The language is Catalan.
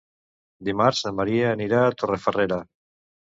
Dimarts na Maria anirà a Torrefarrera.